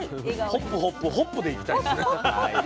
ホップホップホップでいきたいですね。